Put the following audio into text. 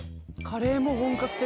カレーも本格的。